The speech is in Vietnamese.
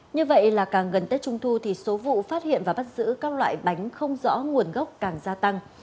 như vậy là càng gần tết trung thu thì số vụ phát hiện và bắt giữ các loại bánh không rõ nguồn gốc càng gia tăng